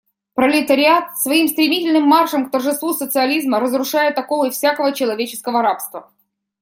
Пролетариат своим стремительным маршем к торжеству социализма разрушает оковы всякого человеческого рабства.